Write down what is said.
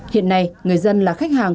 hiện nay người dân là khách hàng